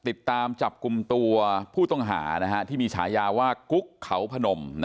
ติดตามจับกลุ่มตัวผู้ต้องหาที่มีฉายาว่ากุ๊กเขาพนม